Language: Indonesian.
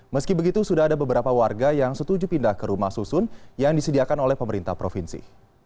meski begitu sudah ada beberapa warga yang setuju pindah ke rumah susun yang disediakan oleh pemerintah provinsi